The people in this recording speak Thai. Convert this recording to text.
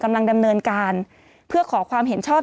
กำลังดำเนินการเพื่อขอความเห็นชอบ